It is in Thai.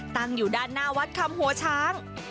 ตั้งอยู่ด้านหน้าวัดคำหัวช้าง